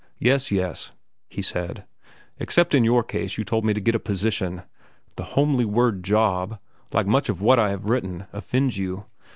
"Yes, yes," he said; "except in your case you told me to get a position. The homely word job, like much that I have written, offends you.